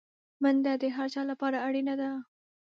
منډه د هر چا لپاره اړینه ده